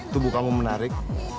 tubuh kamu menarik